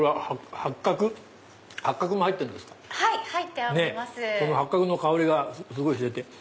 八角の香りがすごいしてて。